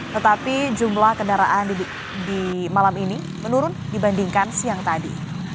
tetapi jumlah kendaraan di malam ini menurun dibandingkan siang tadi